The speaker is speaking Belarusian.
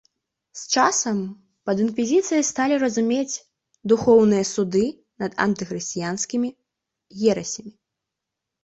З часам пад інквізіцыяй сталі разумець духоўныя суды над антыхрысціянскімі ерасямі.